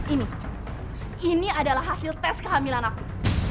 ini ini adalah hasil tes kehamilan aku